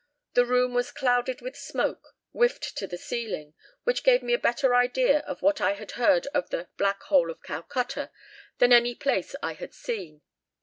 The room was clouded with smoke, whiffed to the ceiling, which gave me a better idea of what I had heard of the 'Black Hole of Calcutta' than any place I had seen.